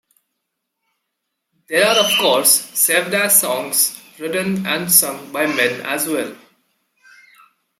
There are of course, Sevdah songs written and sung by men as well.